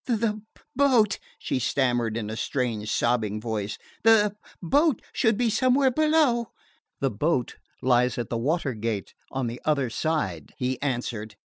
"The boat," she stammered in a strange sobbing voice "the boat should be somewhere below " "The boat lies at the water gate on the other side," he answered.